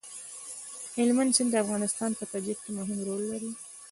هلمند سیند د افغانستان په طبیعت کې مهم رول لري.